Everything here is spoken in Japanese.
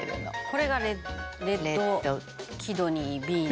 「これがレッドキドニービーンズ」